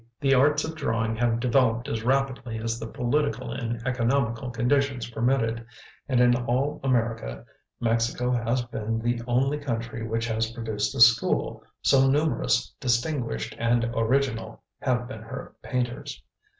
The arts of drawing have developed as rapidly as the political and economical conditions permitted; and in all America, Mexico has been the only country which has produced a school, so numerous, distinguished, and original have been her painters.